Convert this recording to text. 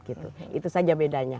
itu saja bedanya